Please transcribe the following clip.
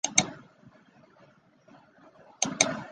属辽东郡。